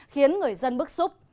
khiến người dân bức xúc